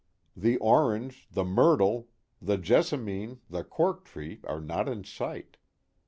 The orange, the myrtle, the jessamine, the cork tree are not in sight.